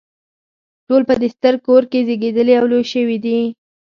ټول په دې ستر کور کې زیږیدلي او لوی شوي دي.